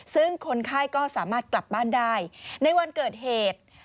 ซึ่งคนไข้ก็สามารถกลับบ้านได้ในวันเกิดเหตุ